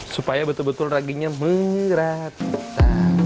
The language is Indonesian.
supaya betul betul raginya menggeret